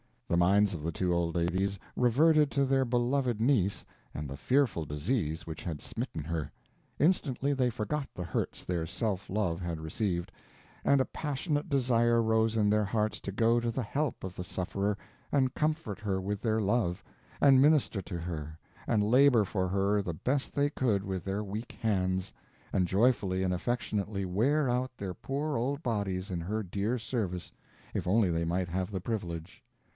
The minds of the two old ladies reverted to their beloved niece and the fearful disease which had smitten her; instantly they forgot the hurts their self love had received, and a passionate desire rose in their hearts to go to the help of the sufferer and comfort her with their love, and minister to her, and labor for her the best they could with their weak hands, and joyfully and affectionately wear out their poor old bodies in her dear service if only they might have the privilege.